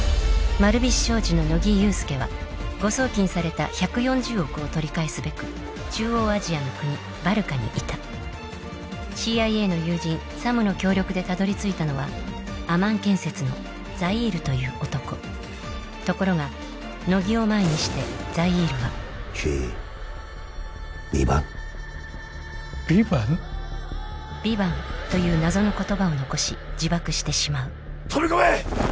丸菱商事の乃木憂助は誤送金された１４０億を取り返すべく中央アジアの国バルカに来たＣＩＡの友人サムの協力でたどり着いたのはアマン建設のザイールという男ところが乃木を前にしてザイールはヴィヴァンという謎の言葉を残し自爆してしまう飛び込め！